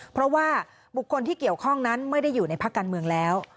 เพราะว่าบุคคลที่เกี่ยวข้องนั้นไม่ได้อยู่ในภาคการเมืองแล้ว